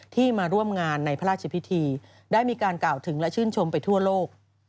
มาร่วมงานในพระราชพิธีได้มีการกล่าวถึงและชื่นชมไปทั่วโลก